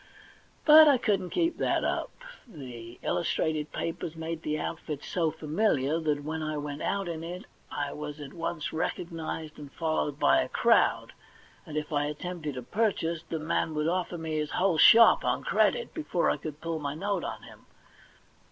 But I couldn't keep that up. The illustrated papers made the outfit so' familiar that when I went out in it I was at once recognised and followed by a crowd, and if I attempted a jDurchase the man would offer me his whole shop on credit before I could pull my note on him.